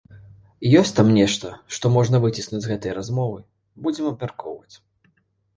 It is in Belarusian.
Ёсць там нешта, што можна выціснуць з гэтай размовы, будзем абмяркоўваць.